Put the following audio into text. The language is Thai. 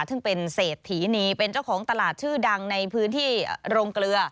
ซึ่งเป็นเศรษฐีนีเป็นเจ้าของตลาดชื่อดังในพื้นที่โรงเกลือ